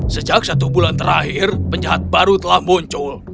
sejak satu bulan terakhir penjahat baru telah muncul